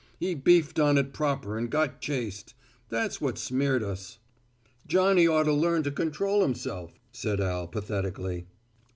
He beefed on it proper and got chased. That's what smeared us." "Johnny ought to learn to control himself," said Al pathetically.